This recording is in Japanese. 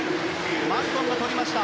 マルトンがとりました。